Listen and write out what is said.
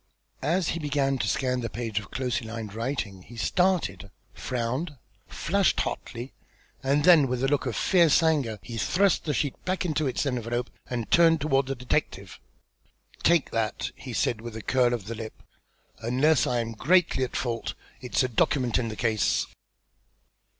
As he began to scan the page of closely lined writing he started, frowned, flushed hotly, and then with a look of fierce anger he thrust the sheet back into its envelope, and turned toward the detective. "Take that!" he said with a curl of the lip. "Unless I am greatly at fault, it's a document in the case."